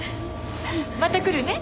うん。また来るね。